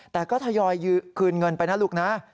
แต่ก็ทยอยคืนเงินไปนะลูกนะ